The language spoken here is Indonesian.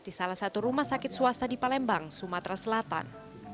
di salah satu rumah sakit swasta di palembang sumatera selatan